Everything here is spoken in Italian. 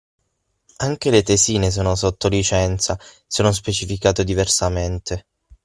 Anche le tesine sono sotto licenza se non specificato diversamente.